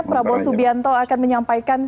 prabowo subianto akan menyampaikan